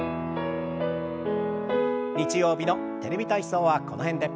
日曜日の「テレビ体操」はこの辺で。